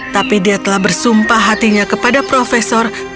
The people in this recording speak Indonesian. tapi dia telah bersumpah hatinya kepada profesor